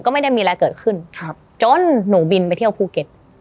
ก็ไม่ได้มีอะไรเกิดขึ้นครับจนหนูบินไปเที่ยวภูเก็ต